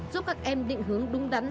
giúp các em định hướng đúng đắn